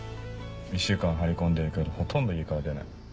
１週間張り込んでるけどほとんど家から出ない。